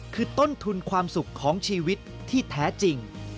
คือต้นทุนความสุขของชีวิตที่แท้จริง